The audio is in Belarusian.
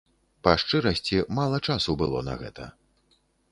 Па шчырасці, мала часу было на гэта.